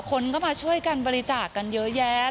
คนก็มาช่วยกันบริจาคกันเยอะแยะ